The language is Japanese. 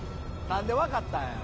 何で分かったんや？